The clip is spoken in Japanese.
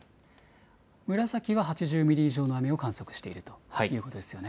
紫は８０ミリ以上の雨を観測しているということですよね。